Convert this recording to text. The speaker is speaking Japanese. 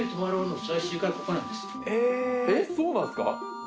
えっそうなんすか。